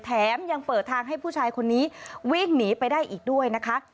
แถมยังเปิดทางให้ผู้ชายคนนี้วิ่งหนีไปได้อีกด้วยนะคะ